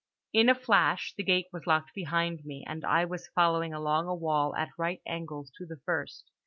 In a flash the gate was locked behind me, and I was following along a wall at right angles to the first.